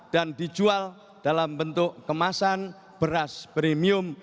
dan dijual dalam bentuk kemasan beras premium